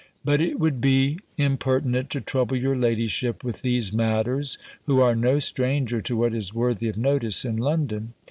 But it would be impertinent to trouble your ladyship with these matters, who are no stranger to what is worthy of notice in London.